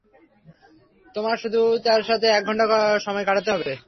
তোমার শুধু তার সাথে এক ঘন্টা সময় কাটাতে হবে।